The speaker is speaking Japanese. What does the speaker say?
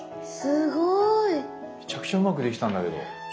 めちゃくちゃうまくできたんだけど。